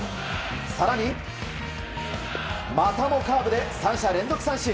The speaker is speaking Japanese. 更に、またもカーブで３者連続三振。